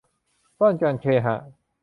บ้านการเคหะ